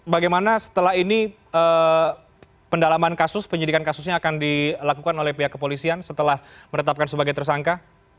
bagaimana setelah ini pendalaman kasus penyidikan kasusnya akan dilakukan oleh pihak kepolisian setelah meretapkan sebagai tersangka